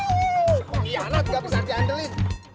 nih pengkhianat gak bisa diandelin